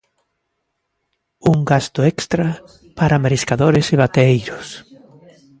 Un gasto extra para mariscadores e bateeiros.